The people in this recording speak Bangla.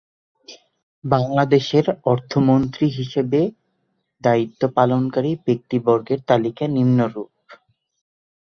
বাংলাদেশের অর্থমন্ত্রী হিসাবে দায়িত্ব পালনকারী ব্যক্তিবর্গের তালিকা নিম্নরূপঃ